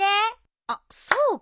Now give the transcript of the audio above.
あっそうか。